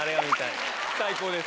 最高です。